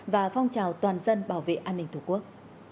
và phong trào toàn dân bảo vệ an ninh tổ quốc